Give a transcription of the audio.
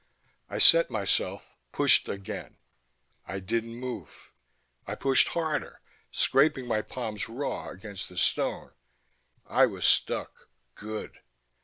I set myself, pushed again. I didn't move. I pushed harder, scraping my palms raw against the stone. I was stuck good.